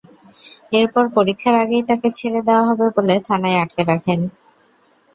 এরপর পরীক্ষার আগেই তাকে ছেড়ে দেওয়া হবে বলে থানায় আটকে রাখেন।